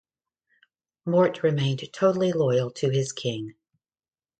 Morte remained totally loyal to his king.